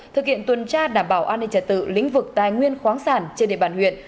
thực hiện tuần tra đảm bảo an ninh trật tự lĩnh vực tài nguyên khoáng sản trên địa bàn huyện